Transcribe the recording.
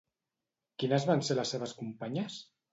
Quines van ser les seves companyes?